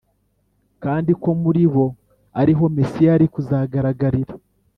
kandi ko muri bo ari ho Mesiya yari kuzagaragarira.